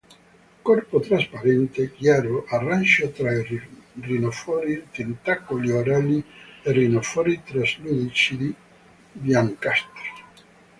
Corpo trasparente, chiaro, arancio tra i rinofori, tentacoli orali e rinofori traslucidi, biancastri.